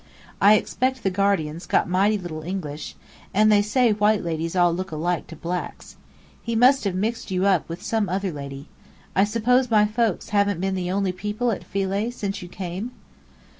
I expect the guardian's got mighty little English: and they say white ladies all look alike to blacks. He must have mixed you up with some other lady. I suppose my folks haven't been the only people at Philae since you came?"